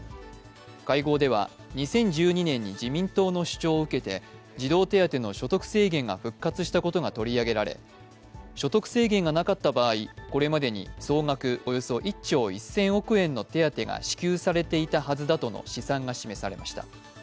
会合では２０１２年に自民党の主張を受けて児童手当の所得制限が復活したことが取り上げられ所得制限がなかった場合、これまでに総額およそ１兆１０００億円の手当が支給されていたはずだとの試算が示されました。